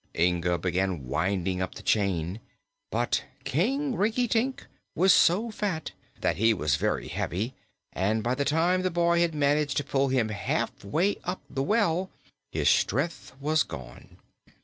Inga began winding up the chain, but King Rinkitink was so fat that he was very heavy and by the time the boy had managed to pull him halfway up the well his strength was gone.